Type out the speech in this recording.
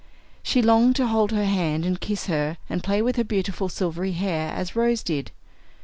She longed to hold her hand, and kiss her, and play with her beautiful silvery hair, as Rose did.